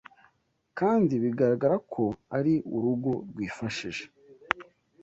kandi bigaraga ko ari urugo rwifashije